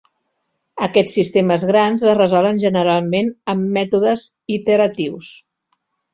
Aquests sistemes grans es resolen generalment amb mètodes iteratius.